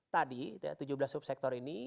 karena tadi tujuh belas subsektor ini